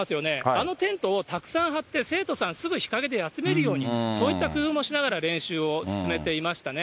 あのテントをたくさん張って、生徒さん、すぐ日陰で休めるように、そういった工夫もしながら練習を進めていましたね。